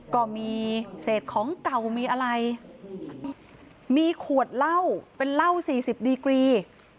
ก็มีเศษของเก่ามีอะไรมีขวดเหล้าเป็นเหล้าสี่สิบดีกรี